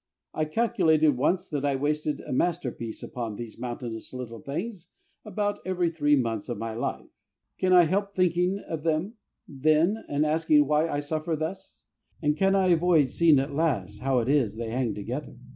I calculated once that I wasted a masterpiece upon these mountainous little things about every three months of my life. Can I help thinking of them, then, and asking why I suffer thus? And can I avoid seeing at last how it is they hang together?